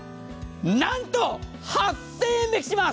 なんと、８０００円引きします！